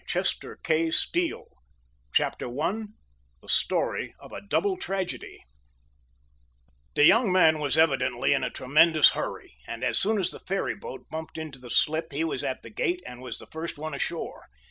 Cleveland 1911 CHAPTER I THE STORY OF A DOUBLE TRAGEDY The young man was evidently in a tremendous hurry, and as soon as the ferryboat bumped into the slip he was at the gate and was the first one ashore.